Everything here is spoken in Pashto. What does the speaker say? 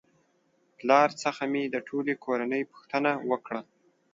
پلار څخه مې د ټولې کورنۍ پوښتنه وکړه